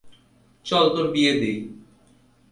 চল তোর বিয়ে দিই।